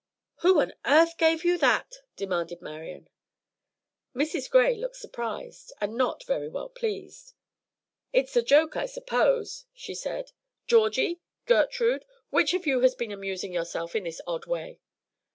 "Who on earth gave you that?" demanded Marian. Mrs. Gray looked surprised and not very well pleased. "It is a joke, I suppose," she said. "Georgie, Gertrude, which of you has been amusing yourself in this odd way?"